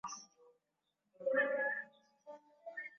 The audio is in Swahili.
kushindwa na Aleksanda Mkuu lakini nasaba za Waparthia